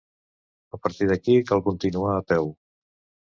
A partir d'aquí cal continuar a peu.